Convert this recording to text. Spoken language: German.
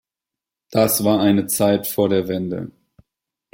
Das war eine Zeit vor der Wende.